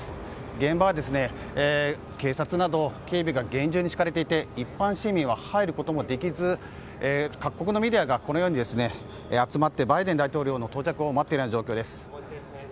現場は警察など警備が厳重に敷かれていて一般市民は入ることもできず各国のメディアが集まってバイデン大統領の到着を待っている状況です。